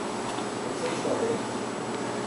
Você está bem?